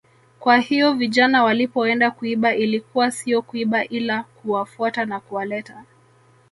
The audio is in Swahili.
Kwa hiyo vijana walipoenda kuiba ilikuwa sio kuiba ila kuwafuata na kuwaleta